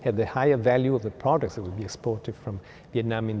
vì vậy họ có một cơ hội tốt